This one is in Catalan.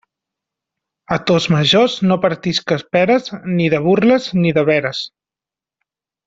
A tos majors no partisques peres, ni de burles ni de veres.